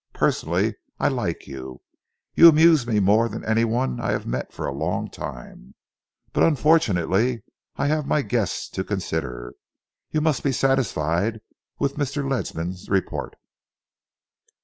Personally I like you. You amuse me more than any one I have met for a long time. But unfortunately I have my guests to consider! You must be satisfied with Mr. Ledsam's report."